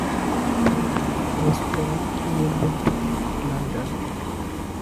Pilbeam was born in Wimbledon, London.